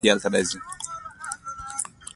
غوږونه د باد غږ احساسوي